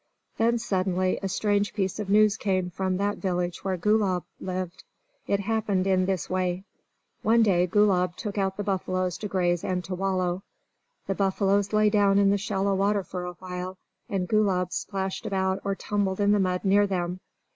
Then suddenly a strange piece of news came from that village where Gulab lived. It happened in this way: One day Gulab took out the buffaloes to graze and to wallow. The buffaloes lay down in the shallow water for a while, and Gulab splashed about or tumbled in the mud near them.